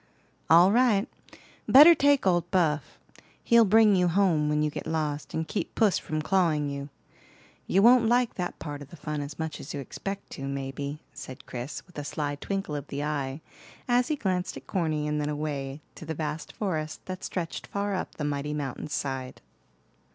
"All right. Better take old Buff; he'll bring you home when you get lost, and keep puss from clawing you. You won't like that part of the fun as much as you expect to, maybe," said Chris, with a sly twinkle of the eye, as he glanced at Corny and then away to the vast forest that stretched far up the mighty mountain's side.